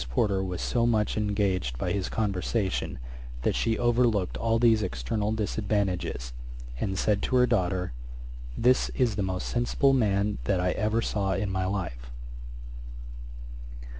Porter was so much engaged by his conversation that she overlooked all these external disadvantages, and said to her daughter, 'this is the most sensible man that I ever saw in my life.'